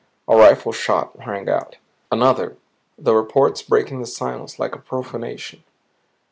A rifle shot rang out. Another the reports breaking the silence like a profanation.